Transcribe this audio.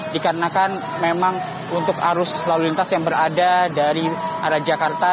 dikarenakan memang untuk arus lalu lintas yang berada dari arah jakarta